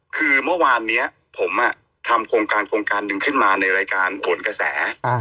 คือเมื่อวานนี้ผมทำโครงการโครงการหนึ่งขึ้นมาในรายการโหนกระแส